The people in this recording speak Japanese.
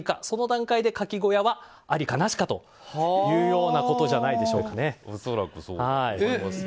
その段階でかき小屋はありかなしかというようなことじゃないでしょうかね。